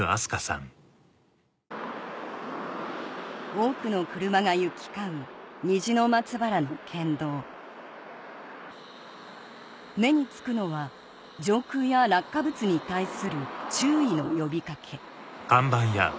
多くの車が行き交う虹の松原の県道目に付くのは上空や落下物に対する注意の呼びかけ